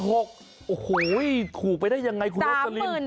โอ้โหขูบไปได้อย่างไรคุณโรสลิน